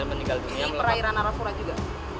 ini perairan arafura juga